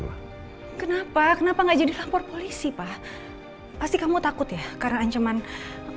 hai kenapa kenapa enggak jadi lapor polisi pak pasti kamu takut ya karena ancaman orang tadi enggak papa ini mikirnya